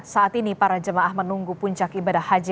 saat ini para jemaah menunggu puncak ibadah haji